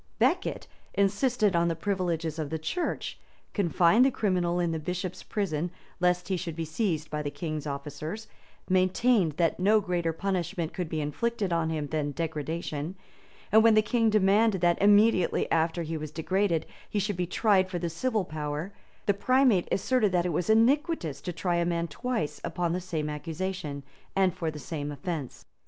Becket insisted on the privileges of the church; confined the criminal in the bishop's prison, lest he should be seized by the king's officers; maintained that no greater punishment could be inflicted on him than degradation; and when the king demanded that, immediately after he was degraded, he should be tried by the civil power, the primate asserted that it was iniquitous to try a man twice upon the same accusation, and for the same offence.